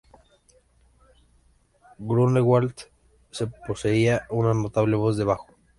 Grünewald, que poseía una notable voz de bajo.